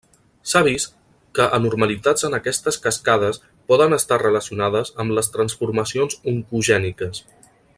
S’ha vist que anormalitats en aquestes cascades poden estar relacionades amb les transformacions oncogèniques.